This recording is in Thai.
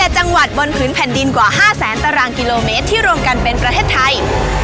๗จังหวัดบนพื้นแผ่นดินกว่า๕แสนตารางกิโลเมตรที่รวมกันเป็นประเทศไทย